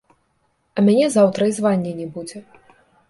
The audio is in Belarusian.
А мяне заўтра і звання не будзе.